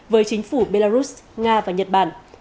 với chính phủ belarus nga và nhật bản